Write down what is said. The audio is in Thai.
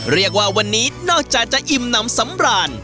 เรียกว่าวันนี้นอกจากจะอิ่มน้ำสำราญ